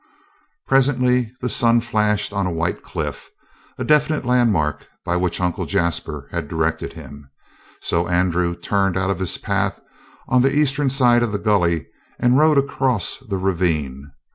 Presently the sun flashed on a white cliff, a definite landmark by which Uncle Jasper had directed him, so Andrew turned out of his path on the eastern side of the gully and rode across the ravine.